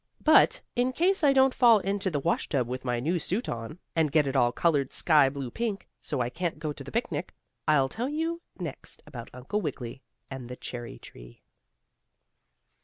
But, in case I don't fall into the washtub with my new suit on, and get it all colored sky blue pink, so I can't go to the picnic, I'll tell you next about Uncle Wiggily and the cherry tree.